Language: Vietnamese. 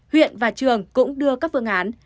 huyện và trường cũng đưa các phương án